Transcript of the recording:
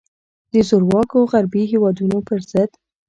د زورواکو غربي هیوادونو پر ضد.